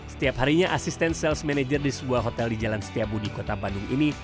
setiap harinya asisten sales manager di sebuah hotel di jalan setiabudi kota bandung ini